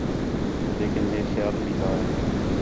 لیکن ہِے خیال بھی ہا